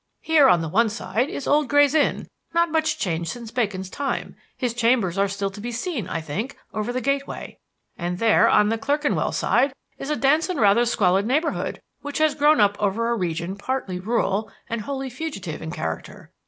Here on the one side, is old Gray's Inn, not much changed since Bacon's time his chambers are still to be seen, I think, over the gateway; and there, on the Clerkenwell side, is a dense and rather squalid neighborhood which has grown up over a region partly rural and wholly fugitive in character.